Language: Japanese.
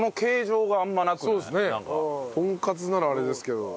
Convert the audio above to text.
とんかつならあれですけど。